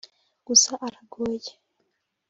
Gusa aragoye